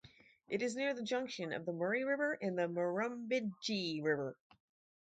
It is near the junction of the Murray River and Murrumbidgee River.